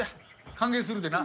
歓迎するでな。